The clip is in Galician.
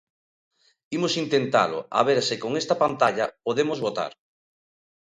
Imos intentalo, a ver se con esta pantalla podemos votar.